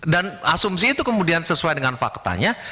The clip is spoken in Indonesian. dan asumsi itu kemudian sesuai dengan faktanya